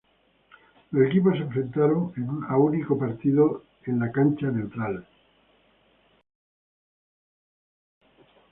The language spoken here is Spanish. Los equipos se enfrentaron a único partido en cancha neutral.